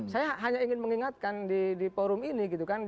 saya hanya ingin mengingatkan di forum ini gitu kan